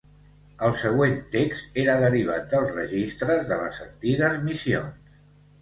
El següent text era derivat dels registres de les antigues missions.